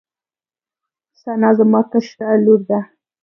ثنا زما کشره لور ده